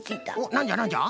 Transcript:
なんじゃなんじゃ？